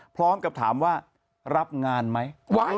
พร้อมกับถามว่ารับงานไหม